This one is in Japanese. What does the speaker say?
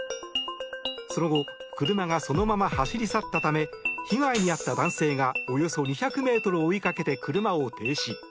その後、車がそのまま走り去ったため被害に遭った男性がおよそ２００ｍ追いかけて車を停止。